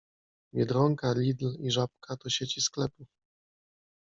Biedronka, Lidl i Żabka to sieci sklepów.